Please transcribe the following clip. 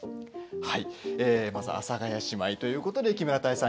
まず阿佐ヶ谷姉妹ということで木村多江さん